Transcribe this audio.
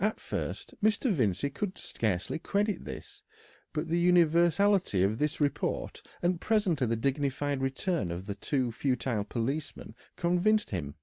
At first Mr. Vincey could scarcely credit this, but the universality of the report, and presently the dignified return of two futile policemen, convinced him.